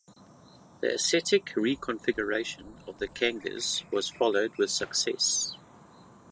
The aesthetic reconfiguration of the Kangas was followed with success.